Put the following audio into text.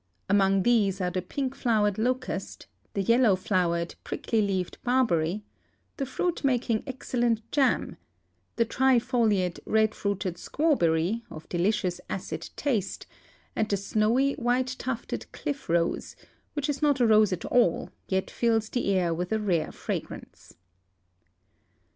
Among these are the pink flowered locust, the yellow flowered, prickly leafed barbeny, the fruit making ex cellent jam, the trifoliate, red fruited squawberry, of delicious acid taste, and the snowy, white tufted cliff rose, which is not a rose at all, yet fills the air with a rare fragrance.